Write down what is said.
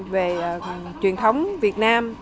về truyền thống việt nam